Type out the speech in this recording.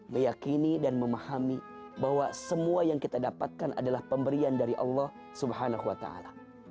meyakini dan memahami bahwa semua yang kita dapatkan adalah pemberian dari allah swt